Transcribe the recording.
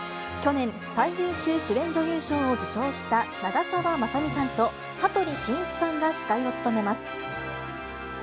去年、最優秀主演女優賞を受賞した長澤まさみさんと、羽鳥慎一さんが司会を務めます。